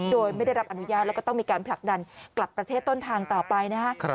โดยไม่ได้รับอนุญาตแล้วก็ต้องมีการผลักดันกลับประเทศต้นทางต่อไปนะครับ